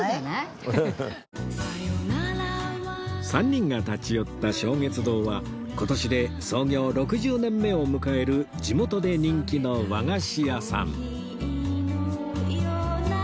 ３人が立ち寄った松月堂は今年で創業６０年目を迎える地元で人気の和菓子屋さん